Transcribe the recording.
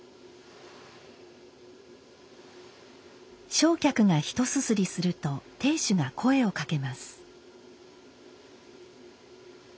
正客がひとすすりすると亭主が声をかけます。